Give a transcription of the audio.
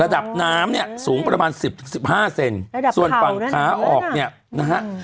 ระดับน้ำเนี่ยสูงประมาณสิบถึงสิบห้าเซนส่วนฝั่งขาออกเนี่ยนะฮะ